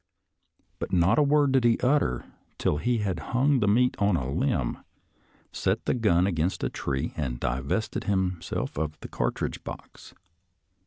But not a word did he utter till he had hung the meat on a limb, set the gun against a tree, and divested himself of the cartridge box.